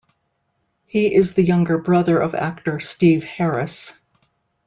He is the younger brother of actor Steve Harris.